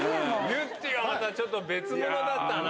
ゆってぃはまた、ちょっと別物だったな。